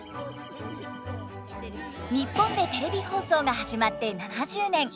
日本でテレビ放送が始まって７０年。